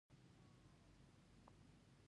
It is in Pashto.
مڼه سور رنګ لري او ډېره خوندوره ده.